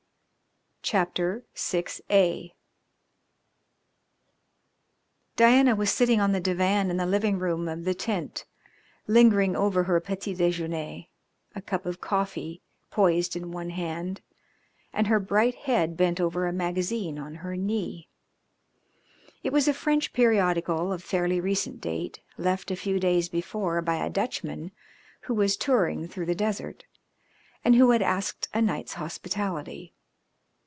CHAPTER VI Diana was sitting on the divan in the living room of the tent lingering over her petit dejeuner, a cup of coffee poised in one hand and her bright head bent over a magazine on her knee. It was a French periodical of fairly recent date, left a few days before by a Dutchman who was touring through the desert, and who had asked a night's hospitality.